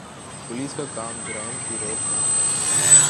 Police کا کام جرائم کی روک تھام ہے۔